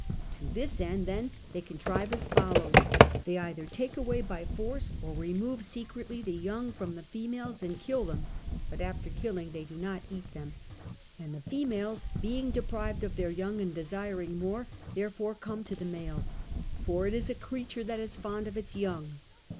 To this end then they contrive as follows, they either take away by force or remove secretly the young from the females and kill them (but after killing they do not eat them), and the females being deprived of their young and desiring more, therefore come to the males, for it is a creature that is fond of its young.